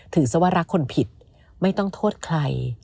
ซะว่ารักคนผิดไม่ต้องโทษใคร